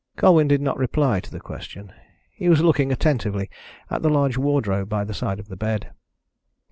Colwyn did not reply to the question. He was looking attentively at the large wardrobe by the side of the bed.